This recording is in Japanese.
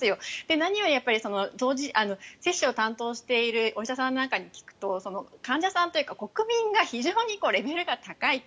何より、接種を担当しているお医者さんなんかに聞くと患者さんというか国民が非常にレベルが高いと。